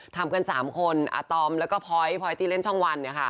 ทำกัน๓คนอาตอมแล้วก็พอยพลอยที่เล่นช่องวัน